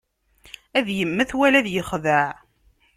Ad immet, wala ad ixdeɛ.